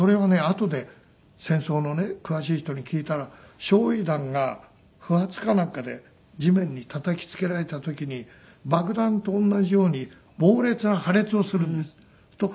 あとで戦争の詳しい人に聞いたら焼夷弾が不発かなんかで地面にたたきつけられた時に爆弾と同じように猛烈な破裂をするんですって。